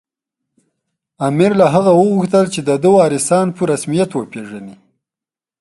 امیر له هغه وغوښتل چې د ده وارثان په رسمیت وپېژني.